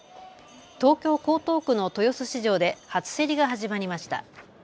東京江東区の豊洲市場で初競りが始まりました。